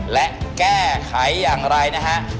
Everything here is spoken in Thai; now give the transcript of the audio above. และแก้ไขอย่างไรแล้ว